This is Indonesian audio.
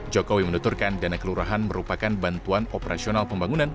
jokowi menuturkan dana kelurahan merupakan bantuan operasional pembangunan